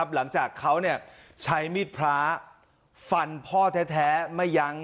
หลังจากเขาใช้มีดพระฟันพ่อแท้ไม่ยั้ง